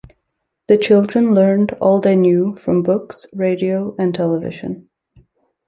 The children learned all they knew from books, radio, and television.